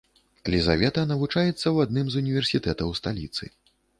Лізавета навучаецца ў адным з універсітэтаў сталіцы.